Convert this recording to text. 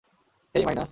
হেই, minus!